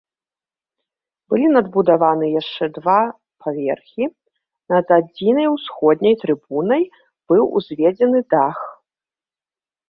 Былі надбудаваны яшчэ два паверхі, над адзінай усходняй трыбунай быў узведзены дах.